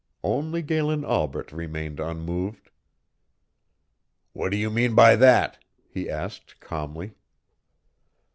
Only Galen Albret remained unmoved. "What do you mean by that?" he asked, calmly.